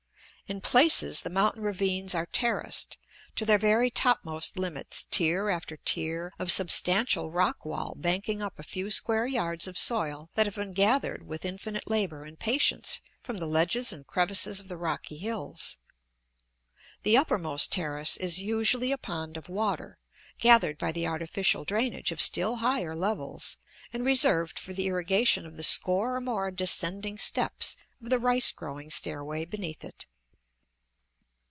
In places the mountain ravines are terraced, to their very topmost limits, tier after tier of substantial rock wall banking up a few square yards of soil that have been gathered with infinite labor and patience from the ledges and crevices of the rocky hills. The uppermost terrace is usually a pond of water, gathered by the artificial drainage of still higher levels, and reserved for the irrigation of the score or more descending "steps" of the rice growing stairway beneath it.